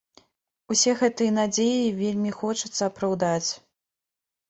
Усе гэтыя надзеі вельмі хочацца апраўдаць.